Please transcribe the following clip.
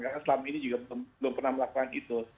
karena selama ini juga belum pernah melakukan itu